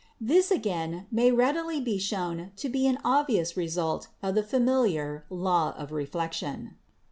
This, again, may readily be shown to be an obvious result of the familiar s Law of Reflection.